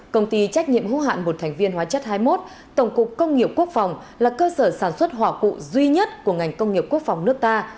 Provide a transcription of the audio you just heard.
công ty trách nhiệm hữu hạn một thành viên hóa chất hai mươi một tổng cục công nghiệp quốc phòng là cơ sở sản xuất hỏa cụ duy nhất của ngành công nghiệp quốc phòng nước ta